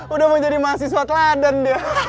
udah mau jadi mahasiswa keladan deh